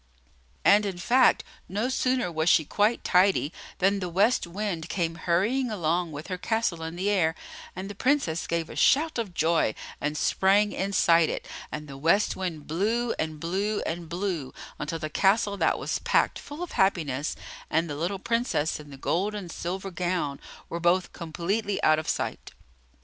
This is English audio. And, in fact, no sooner was she quite tidy than the West Wind came hurrying along with her castle in the air; and the Princess gave a shout of joy and sprang inside it; and the West Wind blew, and blew, and blew, until the castle that was packed full of happiness, and the little Princess in the gold and silver gown, were both completely out of sight.